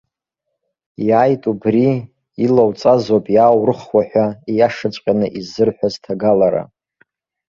Иааит убри, илауҵазоуп иааурыхуа ҳәа ииашаҵәҟьаны иззырҳәаз ҭагалара.